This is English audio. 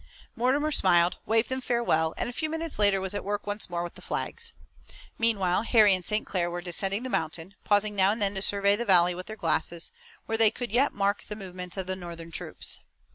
Mortimer smiled, waved them farewell, and, a few minutes later, was at work once more with the flags. Meanwhile, Harry and St. Clair were descending the mountain, pausing now and then to survey the valley with their glasses, where they could yet mark the movements of the Northern troops.